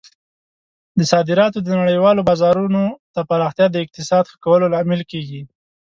د صادراتو د نړیوالو بازارونو ته پراختیا د اقتصاد ښه کولو لامل کیږي.